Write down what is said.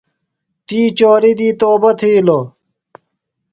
تی چوری دی توبہ تِھیلوۡ۔